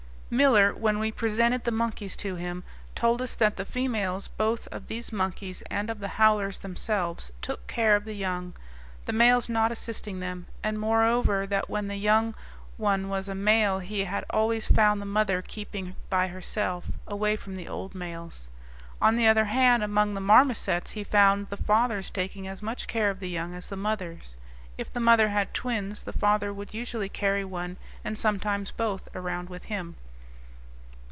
Miller, when we presented the monkeys to him, told us that the females both of these monkeys and of the howlers themselves took care of the young, the males not assisting them, and moreover that when the young one was a male he had always found the mother keeping by herself, away from the old males. On the other hand, among the marmosets he found the fathers taking as much care of the young as the mothers; if the mother had twins, the father would usually carry one, and sometimes both, around with him.